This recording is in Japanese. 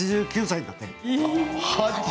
８９歳になった。